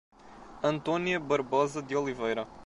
Antônia Barbosa de Oliveira